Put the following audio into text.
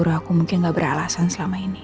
jadi cemburu aku mungkin gak beralasan selama ini